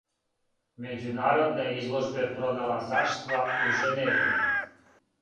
Мађународне изложбе проналазаштва у Женеви.